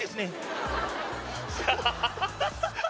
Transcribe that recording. ハハハハ。